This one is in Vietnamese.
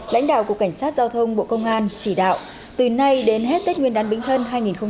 lãnh đạo của cảnh sát giao thông bộ công an chỉ đạo từ nay đến hết tết nguyên đán bình thân hai nghìn một mươi sáu